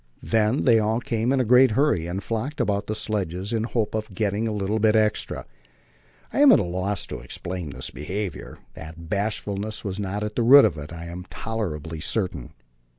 Then they all came in a great hurry and flocked about the sledges in the hope of getting a little extra bit. I am at a loss to explain this behaviour; that bashfulness was not at the root of it, I am tolerably certain.